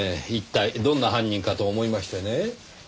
一体どんな犯人かと思いましてね。